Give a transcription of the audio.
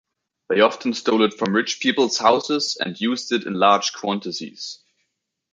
They often stole it from rich people's houses, and used it in large quantities.